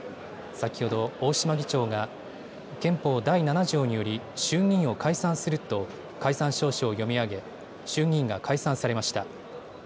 先ほど、大島議長が、憲法第７条により、衆議院を解散すると、解散詔書を読み上げ、衆議院が解散されました。